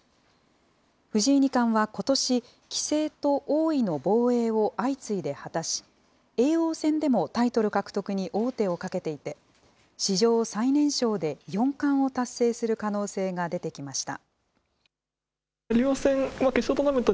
藤井二冠はことし、棋聖と王位の防衛を相次いで果たし、叡王戦でもタイトル獲得に王手をかけていて、史上最年少で四冠を達成する可能性が出てきました。